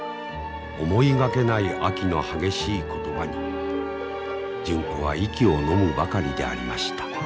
思いがけないあきの激しい言葉に純子は息をのむばかりでありました。